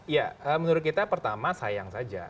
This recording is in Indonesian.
ya menurut kita pertama sayang saja